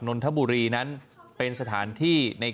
ขอบคุณครับ